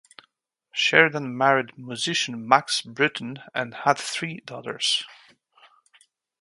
Sheridan married musician Max Brittain and had three daughters.